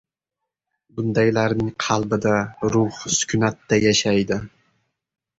Bundaylarning qalbida ruh sukunatda yashaydi.